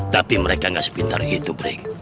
tapi mereka gak sepintar gitu breng